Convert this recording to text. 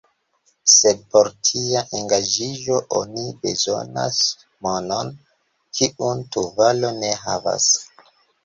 Sed por tia engaĝiĝo oni bezonas monon, kiun Tuvalo ne havas.